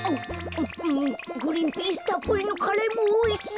グリーンピースたっぷりのカレーもおいしい！